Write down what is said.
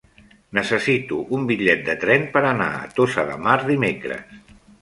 Necessito un bitllet de tren per anar a Tossa de Mar dimecres.